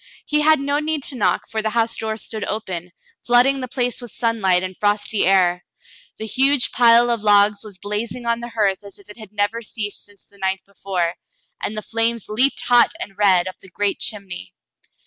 He had no need to knock, for the house door stood open, flooding the place with sunlight and frosty air. The huge pile of logs was blazing on the hearth as if it had never ceased since the night before, and the flames leaped hot and red up the great chimney.